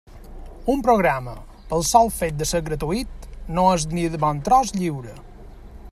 Un programa, pel sol fet de ser gratuït, no és ni de bon tros lliure.